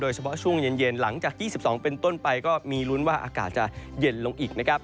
เฉพาะช่วงเย็นหลังจาก๒๒เป็นต้นไปก็มีลุ้นว่าอากาศจะเย็นลงอีกนะครับ